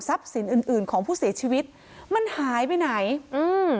สินอื่นอื่นของผู้เสียชีวิตมันหายไปไหนอืม